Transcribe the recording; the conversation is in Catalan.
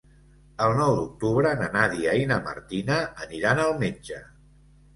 El nou d'octubre na Nàdia i na Martina aniran al metge.